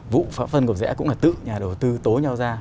vụ pháp vân cầu rẽ cũng là tự nhà đầu tư tố nhau ra